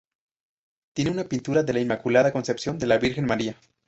Tiene una pintura de la Inmaculada Concepción de la Virgen María.